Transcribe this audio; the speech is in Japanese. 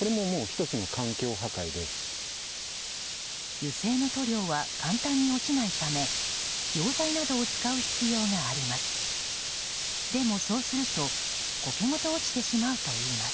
油性の塗料は簡単に落ちないため溶剤などを使う必要があります。